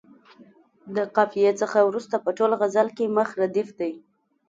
د قافیې څخه وروسته په ټول غزل کې مخ ردیف دی.